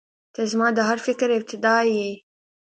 • ته زما د هر فکر ابتدا یې.